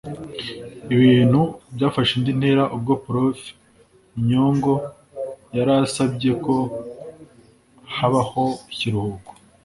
Ibintu byafashe indi ntera ubwo Prof Nyong’o yari asabye ko habaho ikiruhuko